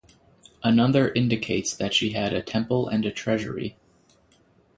Another indicates that she had a temple and a treasury.